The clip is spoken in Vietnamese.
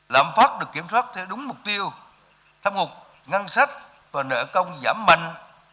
làm phát được kiểm soát theo đúng mục tiêu tham ngục ngăn sách và nợ công giảm mạnh